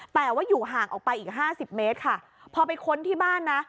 แต่ว่าอยู่ห่างออกไปอีกห้าสิบเมตรค่ะพอไปค้นที่บ้านนะ